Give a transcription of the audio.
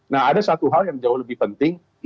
nah ada satu hal yang jauh lebih penting